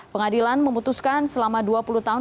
pengadilan memutuskan selama dua puluh tahun